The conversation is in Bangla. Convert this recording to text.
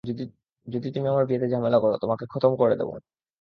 যদি তুমি আমার বিয়েতে ঝামেলা করো, তোমাকে খতম করে দেব।